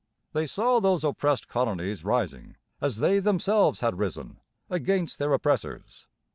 They saw those oppressed colonies rising, as they themselves had risen, against their oppressors.